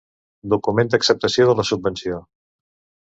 Document d'acceptació de la subvenció.